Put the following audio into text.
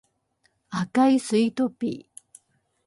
赤いスイートピー